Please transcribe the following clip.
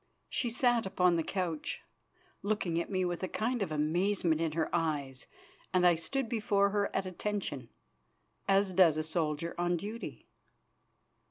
She sat upon the couch, looking at me with a kind of amazement in her eyes, and I stood before her at attention, as does a soldier on duty.